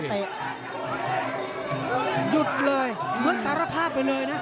หยุดเลยเหมือนสารภาพไปเลยนะ